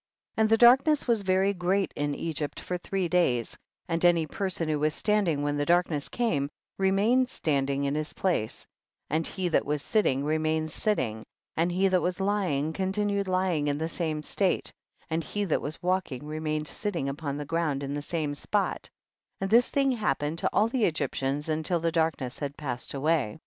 40. And the darkness was very great in Egypt for three days, and any person who was standing when the darkness came, remained stand ing in his place, and he that was sit ting, remained sitting, and he that was lying continued lying in the same state, and he that was walking remained sitting upon the ground in the same spot; and this thing hap pened to all the Egyptians, until the darkness had passed away.